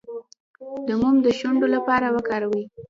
د موم د شونډو لپاره وکاروئ